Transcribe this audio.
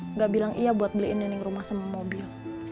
nggak bilang iya buat beliin daning rumah sama mobil